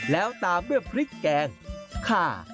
แล้วตามด้วยพริกแกงค่า